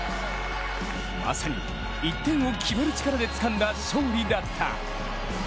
まさに１点を決める力でつかんだ勝利だった。